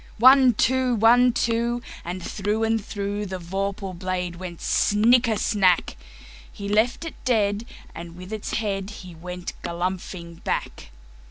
One, two! One, two! And through and throughThe vorpal blade went snicker snack! He left it dead, and with its headHe went galumphing back.